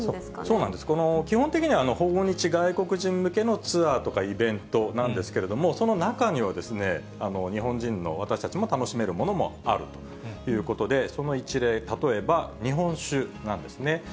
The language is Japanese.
そうなんです、基本的には、訪日外国人向けのツアーとかイベントなんですけれども、その中にはですね、日本人の私たちも楽しめるものもあるということで、その一例、例えば日本酒なんですね。